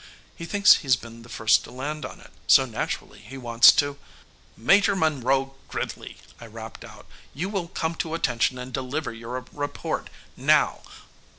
He thinks he's been the first to land on it, so naturally he wants to " "Major Monroe Gridley!" I rapped out. "You will come to attention and deliver your report. Now!"